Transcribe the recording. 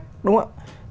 đúng không ạ